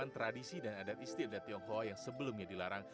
tradisi dan adat istiadat tionghoa yang sebelumnya dilarang